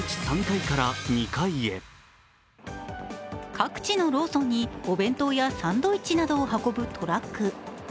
各地のローソンにお弁当やサンドイッチなどを運ぶトラック。